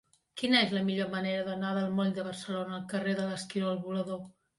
Quina és la millor manera d'anar del moll de Barcelona al carrer de l'Esquirol Volador?